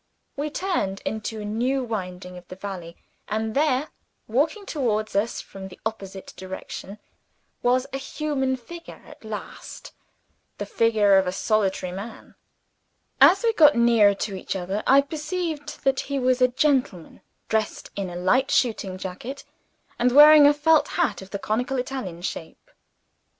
We turned into a new winding of the valley and there, walking towards us from the opposite direction, was a human figure at last the figure of a solitary man! As we got nearer to each other I perceived that he was a gentleman; dressed in a light shooting jacket, and wearing a felt hat of the conical Italian shape.